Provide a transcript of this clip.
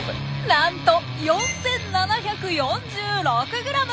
なんと４，７４６グラム！